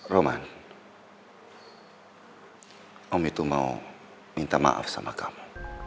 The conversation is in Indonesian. roman om itu mau minta maaf sama kamu